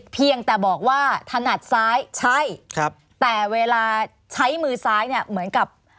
เพียงแต่บอกว่าถนัดซ้ายใช่ครับแต่เวลาใช้มือซ้ายเนี่ยเหมือนกับ